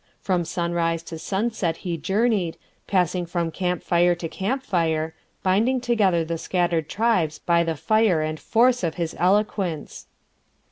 From sunrise to sunset he journeyed, passing from camp fire to camp fire, binding together the scattered tribes by the fire and force of his eloquence.